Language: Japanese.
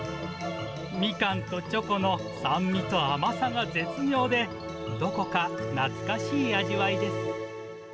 みかんとチョコの酸味と甘さが絶妙で、どこか懐かしい味わいです。